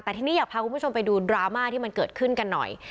แต่ทีนี้อยากพาคุณผู้ชมไปดูดราม่าที่มันเกิดขึ้นกันหน่อย